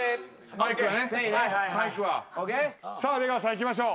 さあ出川さんいきましょう。